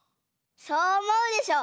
そうおもうでしょ？